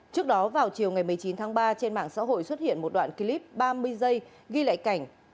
trước đó vào chiều ngày một mươi chín tháng ba trên mạng xã hội xuất hiện một đoạn clip ba mươi giây ghi lại cảnh